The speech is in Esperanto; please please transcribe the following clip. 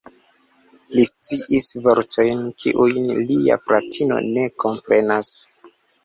Li sciis vortojn, kiujn lia fratino ne komprenas.